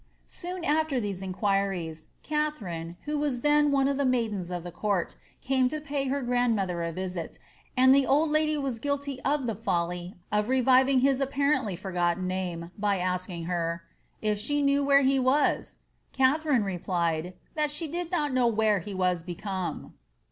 Soon after these inquiries, Katharine, who was then one of the maidens of the court, came to pay her grandmother a visit, and the old lady was guilty of the folly of reviving his apparently forgotten name, by asking her, ^ if she knew where he was ?" Katharine replied, ^ that she did not know where he was become.?'